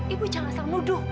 ibu jangan asal nuduh